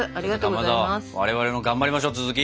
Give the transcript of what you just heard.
かまど我々も頑張りましょう続き。